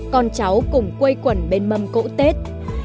con cháu cùng quây quẩn bên mâm cỗ tết